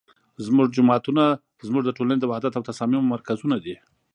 زمونږ جوماتونه زمونږ د ټولنې د وحدت او تصاميمو مرکزونه دي